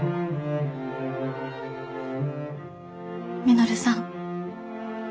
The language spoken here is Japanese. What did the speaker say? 稔さん。